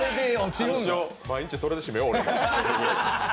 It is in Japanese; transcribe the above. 毎日、それで締めよう、俺。